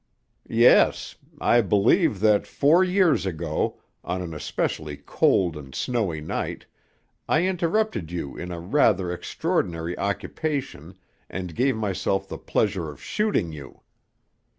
"Yes. I believe that four years ago, on an especially cold and snowy night, I interrupted you in a rather extraordinary occupation and gave myself the pleasure of shooting you."